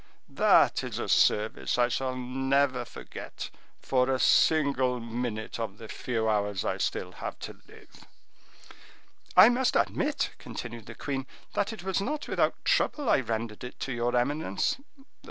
that is a service I shall never forget for a single minute of the few hours I still have to live." "I must admit," continued the queen, "that it was not without trouble I rendered it to your eminence."